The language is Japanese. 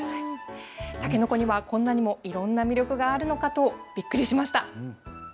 たけのこにはこんなにもいろんな魅力があるのかとびっくりしました。